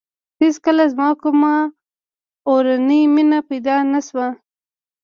هېڅکله زما کومه اورنۍ مینه پیدا نه شوه.